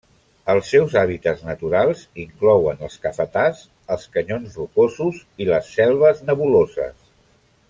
Els seus hàbitats naturals inclouen els cafetars, els canyons rocosos i les selves nebuloses.